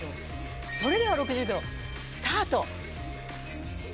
それでは６０秒スタート！